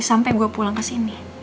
sampai gue pulang kesini